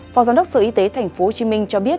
phó giám đốc sở y tế tp hcm cho biết